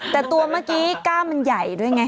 แต่ตัวเมื่อกี้ก้ามมันใหญ่ด้วยไง